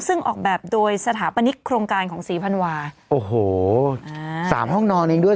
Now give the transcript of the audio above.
ซึ่งออกแบบโดยสถาปนิกโครงการของศรีพันวาโอ้โหสามห้องนอนเองด้วย